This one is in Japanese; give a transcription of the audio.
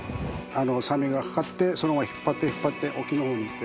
サメが掛かってそのまま引っ張って沖の方に行って。